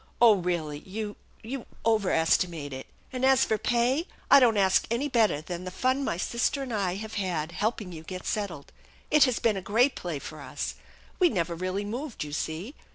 " Oh, really, you you over estimate it. And as for pay, I don't ask any better than the fun my sister and I have had helping you get settled. It has been a great play for us. We never really moved, you see.